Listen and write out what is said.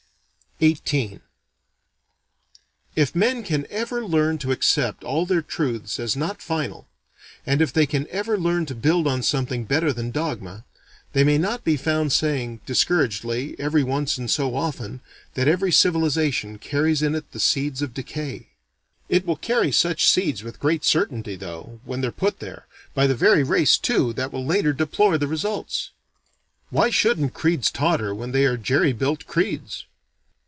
XVIII If men can ever learn to accept all their truths as not final, and if they can ever learn to build on something better than dogma, they may not be found saying, discouragedly, every once in so often, that every civilization carries in it the seeds of decay. It will carry such seeds with great certainty, though, when they're put there, by the very race, too, that will later deplore the results. Why shouldn't creeds totter when they are jerry built creeds?